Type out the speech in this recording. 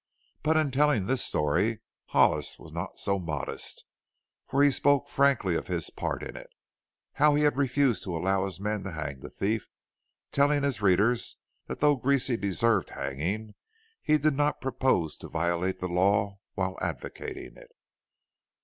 But in telling this story Hollis was not so modest, for he spoke frankly of his part in it how he had refused to allow his men to hang the thief, telling his readers that though Greasy deserved hanging, he did not purpose to violate the law while advocating it.